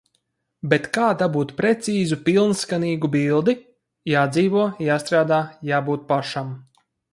Bet kā dabūt precīzu pilnskanīgu bildi? Jādzīvo, jāstrādā, jābūt pašam.